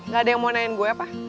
gak ada yang mau nanyain gue apa